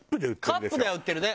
カップでは売ってるね。